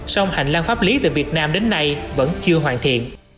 song hành lang pháp lý từ việt nam đến nay vẫn chưa hoàn thiện